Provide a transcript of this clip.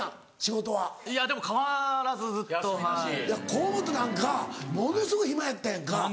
河本なんかものすごい暇やったやんか。